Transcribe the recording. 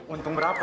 untung berapa ya